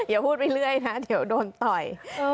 อย่าพูดไปเรื่อยนะเดี๋ยวโดนต่อย